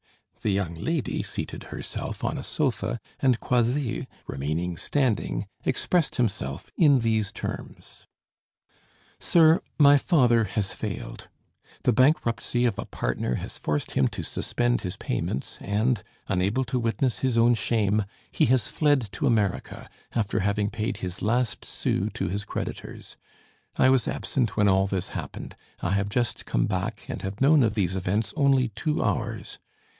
The young lady seated herself on a sofa, and Croisilles, remaining standing, expressed himself in these terms: "Sir, my father has failed. The bankruptcy of a partner has forced him to suspend his payments and unable to witness his own shame he has fled to America, after having paid his last sou to his creditors. I was absent when all this happened; I have just come back and have known of these events only two hours.